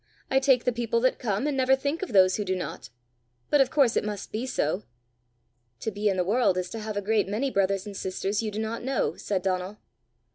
I take the people that come, and never think of those who do not. But of course it must be so." "To be in the world is to have a great many brothers and sisters you do not know!" said Donal.